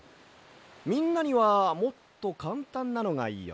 みんなにはもっとかんたんなのがいいよね。